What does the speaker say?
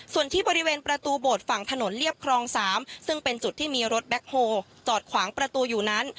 ส่วนที่บริเวณประตูโบสถ์ฝั่งถนนเรียบครอง๓ซึ่งเป็นจุดที่มีรถแบ็คโฮจอดขวางประตูอยู่นั้น